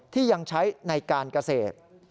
ที่ยังใช้ในการเกษตร